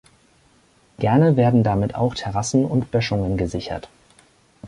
Gerne werden damit auch Terrassen und Böschungen gesichert.